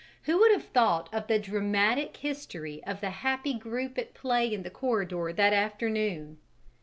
Who would have thought of the dramatic history of the happy group at play in the corridor that afternoon!